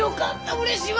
うれしいわ！